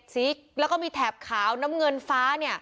ซีกแล้วก็มีแถบขาวน้ำเงินฟ้า